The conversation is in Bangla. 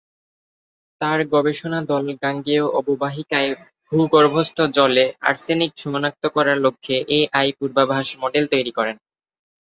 তার গবেষণা দল গাঙ্গেয় অববাহিকায় ভূগর্ভস্থ জলে আর্সেনিক সনাক্ত করার লক্ষ্যে এআই পূর্বাভাস মডেল তৈরি করেন।